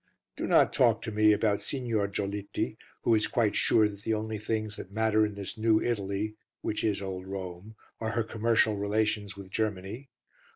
Do not talk to me about Signor Giolitti, who is quite sure that the only things that matter in this new Italy, which is old Rome, are her commercial relations with Germany.